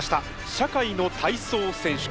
社会の体操選手権。